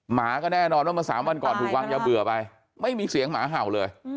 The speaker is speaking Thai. หมาก็แน่นอนว่าเมื่อ๓วันก่อนถูกวางยาเบื่อไปไม่มีเสียงหมาเห่าเลย